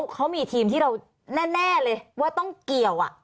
เขามีทีมที่เราแน่เลยว่าต้องเกี่ยว